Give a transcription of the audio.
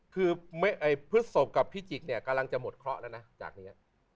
คือพฤศสกับพิจิกกำลังจะหมดเคราะห์ละนะจากนี้